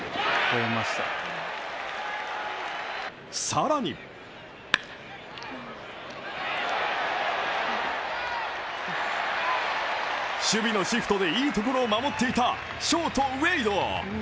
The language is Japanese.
さらに守備のシフトでいいところを守っていたショート・ウェイド。